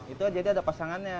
itu jadi ada pasangannya